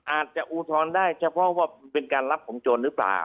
อุทธรณ์ได้เฉพาะว่าเป็นการรับของโจรหรือเปล่า